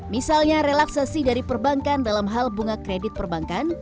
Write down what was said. misalnya relaksasi dari perbankan dalam hal bunga kredit perbankan